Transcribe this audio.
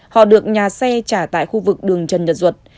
họ được nhà xe trả tại khu vực đường trần nhật duật